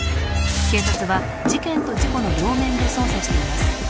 警察は事件と事故の両面で捜査しています